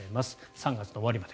３月の終わりまで。